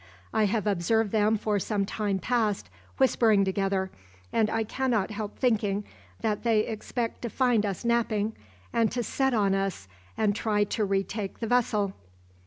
I have observed them for some time past whispering together, and I cannot help thinking that they expect to find us napping, and to set on us and try to retake the vessel."